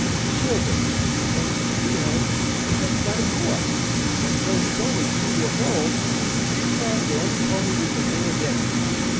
W. B. Childerth, and thee hath got a boy, and though he'th only three yearth old, he thtickth on to any pony you can bring againtht him.